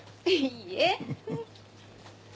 いいえ。